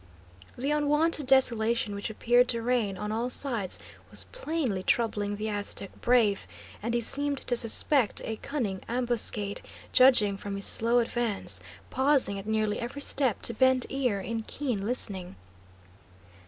The unwonted desolation which appeared to reign on all sides was plainly troubling the Aztec brave, and he seemed to suspect a cunning ambuscade, judging from his slow advance, pausing at nearly every step to bend ear in keen listening.